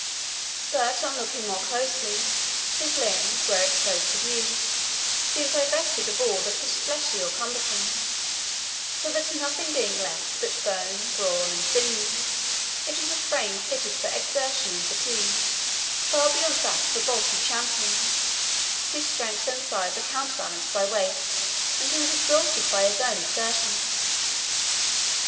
But on looking more closely, his limbs, where exposed to view, seemed divested of all that was fleshy or cumbersome; so that nothing being left but bone, brawn, and sinew, it was a frame fitted for exertion and fatigue, far beyond that of a bulky champion, whose strength and size are counterbalanced by weight, and who is exhausted by his own exertions.